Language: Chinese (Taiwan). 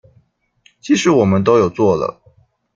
其實我們都有做了